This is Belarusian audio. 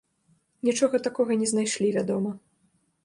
Нічога такога не знайшлі, вядома.